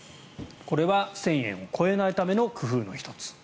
これは１０００円を超えないための工夫の１つ。